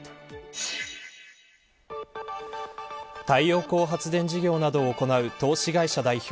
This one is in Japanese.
太陽光発電工事業などを行う投資会社代表